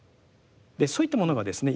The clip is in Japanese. そういったものがですね